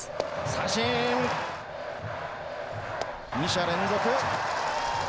三振！二者連続。